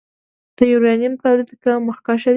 د یورانیم تولید کې مخکښ دی.